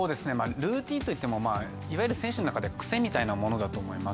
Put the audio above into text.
ルーティンといってもいわゆる選手の中で癖みたいなものだと思います。